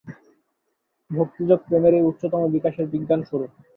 ভক্তিযোগ প্রেমের এই উচ্চতম বিকাশের বিজ্ঞানস্বরূপ।